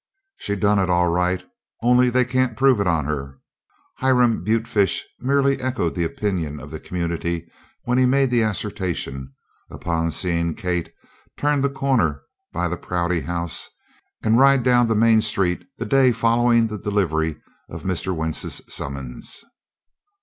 "She done it, all right, only they can't prove it on her." Hiram Butefish merely echoed the opinion of the community when he made the assertion, upon seeing Kate turn the corner by the Prouty House and ride down the main street the day following the delivery of Mr. Wentz's summons.